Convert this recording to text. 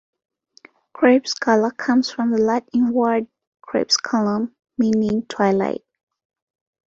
Crepuscular comes from the Latin word "crepusculum", meaning twilight.